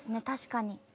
確かに。